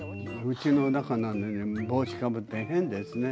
うちの中なのに帽子をかぶって変ですね。